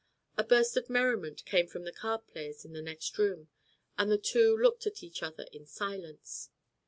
A burst of merriment came from the card players in the next room, and the two looked at each other in silence.